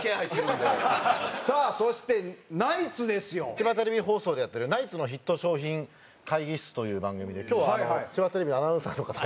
千葉テレビ放送でやってる『ナイツのＨＩＴ商品会議室』という番組で今日は千葉テレビのアナウンサーの方と。